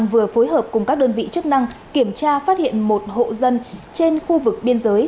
vừa phối hợp cùng các đơn vị chức năng kiểm tra phát hiện một hộ dân trên khu vực biên giới